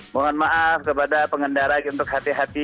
mohon maaf kepada pengendara untuk hati hati